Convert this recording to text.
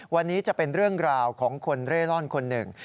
วันนี้จะเป็นเรื่องราวของคนเร่ร่อนคนหนึ่ง